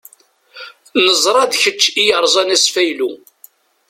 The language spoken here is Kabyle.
Neẓra d kečč i yerẓan asfaylu.